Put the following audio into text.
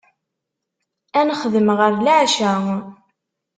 Ad nexdem ɣer leɛca.